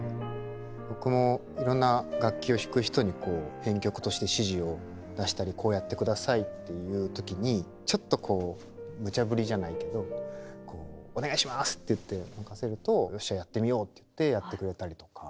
僕もいろんな楽器を弾く人に編曲として指示を出したりこうやってくださいって言う時にちょっとムチャぶりじゃないけど「お願いします！」って言って任せると「よっしゃやってみよう」って言ってやってくれたりとか。